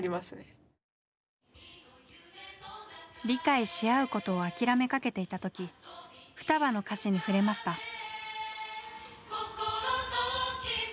理解し合うことを諦めかけていた時「双葉」の歌詞に触れました。